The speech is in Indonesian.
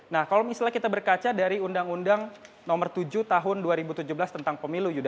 nah kalau misalnya kita berkaca dari undang undang nomor tujuh tahun dua ribu tujuh belas tentang pemilu